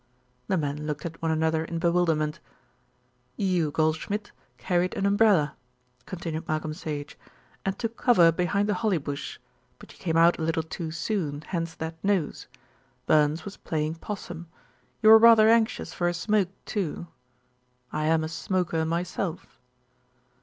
The men looked at one another in bewilderment. "You, Goldschmidt, carried an umbrella," continued Malcolm Sage, "and took cover behind the holly bush; but you came out a little too soon, hence that nose. Burns was playing possum. You were rather anxious for a smoke too. I am a smoker myself."